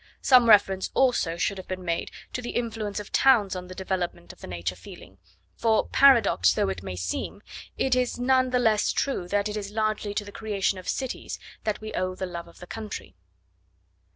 Some reference, also, should have been made to the influence of towns on the development of the nature feeling, for, paradox though it may seem, it is none the less true that it is largely to the creation of cities that we owe the love of the country.